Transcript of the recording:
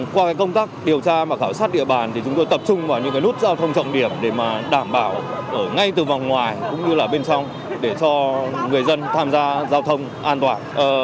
qua công tác điều tra và khảo sát địa bàn thì chúng tôi tập trung vào những nút giao thông trọng điểm để đảm bảo ở ngay từ vòng ngoài cũng như là bên trong để cho người dân tham gia giao thông an toàn